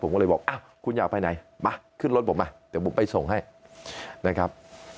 ผมก็เลยบอกอ้าวคุณอยากไปไหนมาขึ้นรถผมมาเดี๋ยวผมไปส่งให้นะครับ